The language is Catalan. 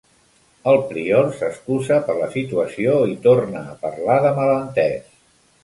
El prior s'excusa per la situació i torna a parlar de malentès.